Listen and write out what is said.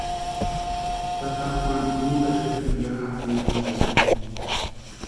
Tata Juanu úntaxati ya japutsʼïni.